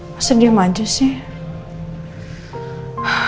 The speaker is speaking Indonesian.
masa diam aja sih